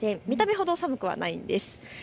見た目ほど寒くはないんです。